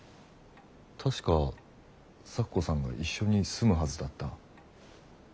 確か咲子さんが一緒に住むはずだった。